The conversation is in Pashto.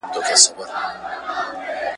ځکه چي قدرت و هغې ته